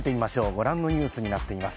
ご覧のニュースになっています。